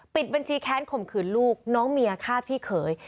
ปิดบัญชีแค้นข่มขืนลูกน้องเมียฆ่าพี่เขย